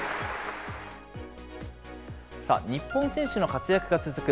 さあ、日本選手の活躍が続く